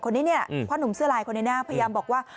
คนนี้เนี่ยพ่อหนุ่มเสื้อลายคนนี้นะพยายามบอกว่า